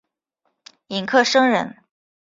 尹克升人。